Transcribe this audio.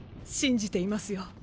信じていますよ。